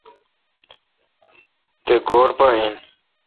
تہ گور پہ این۔